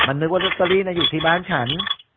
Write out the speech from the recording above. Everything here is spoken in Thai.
มันนึกว่าลอตเตอรี่อยู่ที่บ้านฉัน